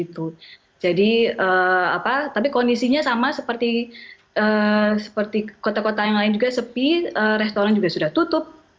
tapi kondisinya sama seperti kota kota yang lain juga sepi restoran juga sudah tutup